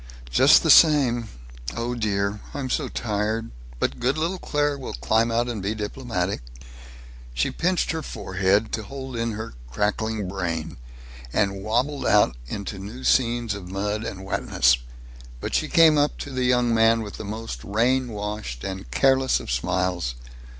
"Just the same Oh dear, I'm so tired. But good little Claire will climb out and be diplomatic." She pinched her forehead, to hold in her cracking brain, and wabbled out into new scenes of mud and wetness, but she came up to the young man with the most rain washed and careless of smiles.